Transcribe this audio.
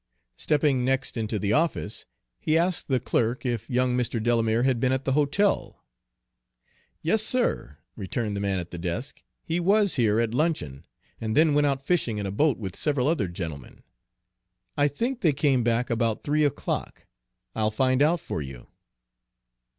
Stepping next into the office, he asked the clerk if young Mr. Delamere had been at the hotel. "Yes, sir," returned the man at the desk, "he was here at luncheon, and then went out fishing in a boat with several other gentlemen. I think they came back about three o'clock. I'll find out for you."